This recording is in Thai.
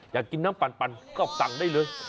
อยากกินน้ำปั่นก็สั่งได้เลย